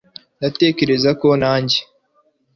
ndatekereza ko, nanjye